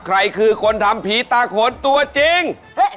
ใครคือคนทำผีตาโขนตัวจริง